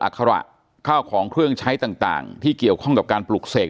คาระข้าวของเครื่องใช้ต่างที่เกี่ยวข้องกับการปลูกเสก